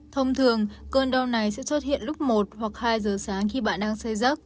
thông thường cơn đau này sẽ xuất hiện lúc một hoặc hai giờ sáng khi bạn đang xây giấc